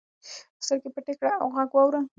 سترګې پټې کړه او غږ واوره.